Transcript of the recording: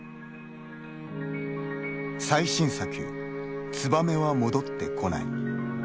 最新作「燕は戻ってこない」。